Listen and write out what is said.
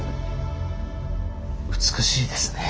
美しいですね。